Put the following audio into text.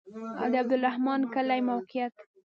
د عبدالرحمن کلی موقعیت